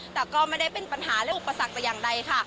แต่ก็ไม่ได้เป็นปัญหาและอุปสรรคแต่อย่างใดค่ะ